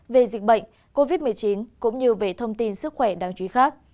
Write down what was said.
về dịch bệnh covid một mươi chín cũng như về thông tin sức khỏe đáng chú ý khác